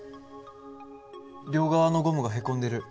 両側のゴムがへこんでる。